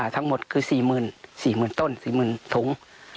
ทั้งหมดคือ๔๐๐๐๐ต้นถุง